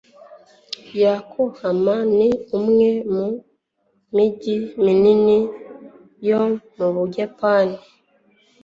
yokohama ni umwe mu mijyi minini yo mu buyapani